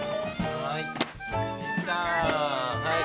はい。